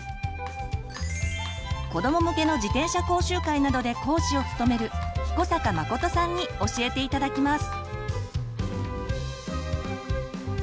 子ども向けの自転車講習会などで講師を務める彦坂誠さんに教えて頂きます。